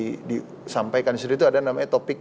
nah ini yang disampaikan di situ itu ada namanya topik